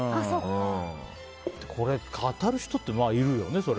これ語る人って、まあいるよね。